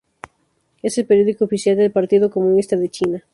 Es el periódico oficial del Partido Comunista de China.